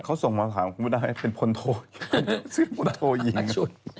เขาส่งมาถามไม่ได้เป็นพนโทซึ่งพนโทยิง